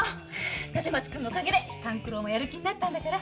立松君のお陰で勘九郎もヤル気になったんだから。